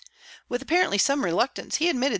With apparently some reluctance, he admitted that p.